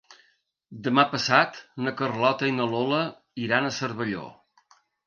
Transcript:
Demà passat na Carlota i na Lola iran a Cervelló.